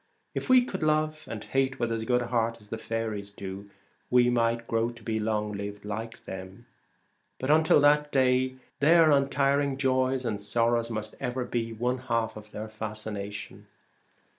If we could love and hate with as good heart as the faeries do, we might grow to be long lived like them. But until that day their un tiring joys and sorrows must ever be one half of their fascination.